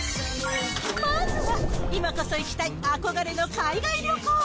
まずは、今こそ行きたい憧れの海外旅行。